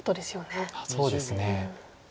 そうですね。